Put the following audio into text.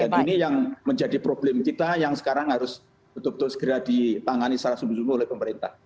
dan ini yang menjadi problem kita yang sekarang harus betul betul segera dipanggali secara sempurna oleh pemerintah